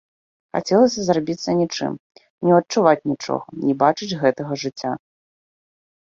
Хацелася зрабіцца нічым, не адчуваць нічога, не бачыць гэтага жыцця.